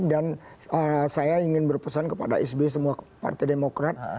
dan saya ingin berpesan kepada sby semua ke partai demokrat